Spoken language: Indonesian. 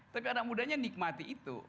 terkadang mudanya nikmati itu